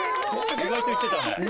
意外といってたね。